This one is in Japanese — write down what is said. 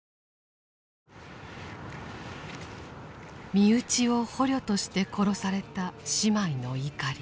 身内を捕虜として殺された姉妹の怒り。